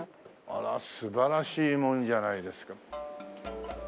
あら素晴らしいものじゃないですか。